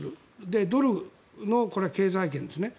で、ドルの経済圏ですね